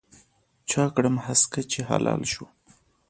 چا کړم هسکه چې هلال شوم